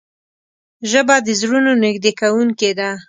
ژبه د زړونو نږدې کوونکې ده